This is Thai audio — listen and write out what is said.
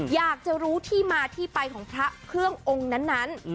อยากจะรู้ที่มาที่ไปของพระเครื่ององค์นั้น